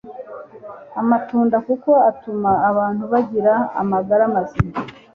amatunda kuko atuma abantu bagira amagara mazima